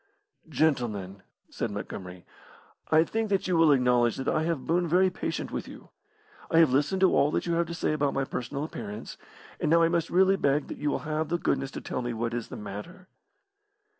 "Gentlemen," said Montgomery, "I think that you will acknowledge that I have boon very patient with you. I have listened to all that you have to say about my personal appearance, and now I must really beg that you will have the goodness to tell me what is the matter."